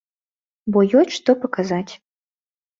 Бо ёсць, што паказаць.